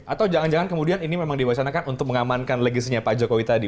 atau jangan jangan kemudian ini memang diwacanakan untuk mengamankan legasinya pak jokowi tadi